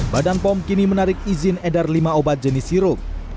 badan pom kini menarik izin edar lima obat jenis sirup